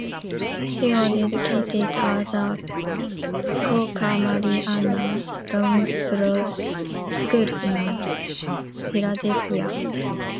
She was educated at the Quaker Mary Anna Longstreth School in Philadelphia.